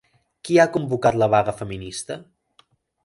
Qui ha convocat la vaga feminista?